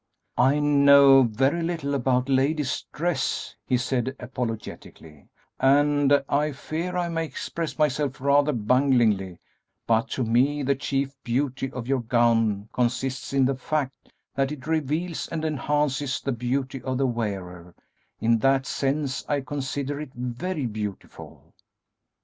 "I know very little about ladies' dress," he said apologetically, "and I fear I may express myself rather bunglingly, but to me the chief beauty of your gown consists in the fact that it reveals and enhances the beauty of the wearer; in that sense, I consider it very beautiful."